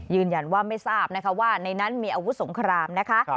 ยืนยันว่าไม่ทราบว่าในนั้นมีอาวุธสงคราม